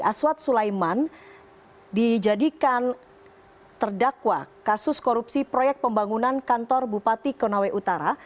aswad sulaiman dijadikan terdakwa kasus korupsi proyek pembangunan kantor bupati konawe utara